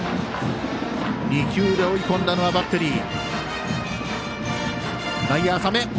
２球で追い込んだのはバッテリー。